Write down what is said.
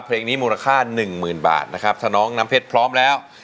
เพลงนี้มูลค่าหนึ่งหมื่นบาทนะครับถ้าน้องน้ำเพชรพร้อมแล้ว